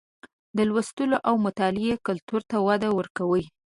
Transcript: د لوستلو او مطالعې کلتور ته وده ورکړئ